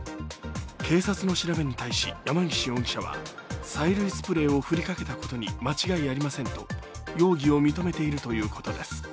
警察の調べに対し山ぎし容疑者は催涙スプレーを振りかけたことに間違いありませんと容疑を認めているということです。